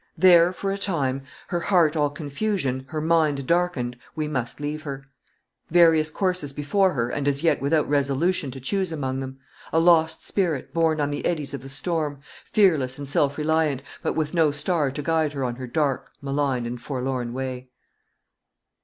There for a time, her heart all confusion, her mind darkened, we must leave her; various courses before her, and as yet without resolution to choose among them; a lost spirit, borne on the eddies of the storm; fearless and self reliant, but with no star to guide her on her dark, malign, and forlorn way.